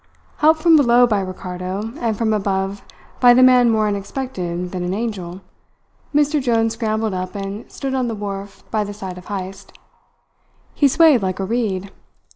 Helped from below by Ricardo, and from above by the man more unexpected than an angel, Mr. Jones scrambled up and stood on the wharf by the side of Heyst. He swayed like a reed.